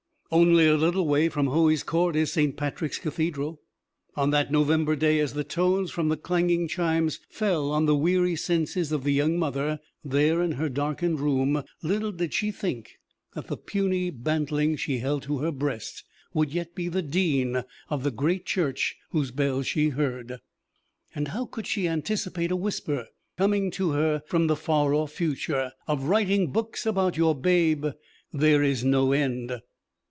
Only a little way from Hoey's Court is Saint Patrick's Cathedral. On that November day, as the tones from the clanging chimes fell on the weary senses of the young mother, there in her darkened room, little did she think that the puny bantling she held to her breast would yet be the Dean of the great church whose bells she heard; and how could she anticipate a whisper coming to her from the far off future: "Of writing books about your babe there is no end!"